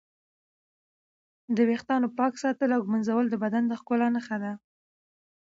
د ویښتانو پاک ساتل او ږمنځول د بدن د ښکلا نښه ده.